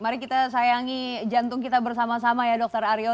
mari kita sayangi jantung kita bersama sama ya dokter aryo